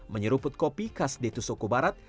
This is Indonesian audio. menyeruput kopi khas ditusuko barat